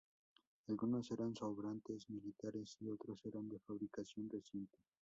Algunos eran sobrantes militares y otros eran de fabricación reciente.